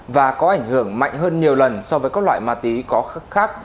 và có ảnh hưởng mạnh hơn nhiều lần so với các loại ma túy khác